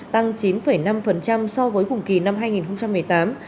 tăng chín năm so với cùng kỳ năm hai nghìn một mươi tám